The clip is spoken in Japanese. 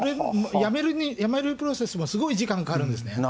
やめるプロセスもすごい時間かかるんですね。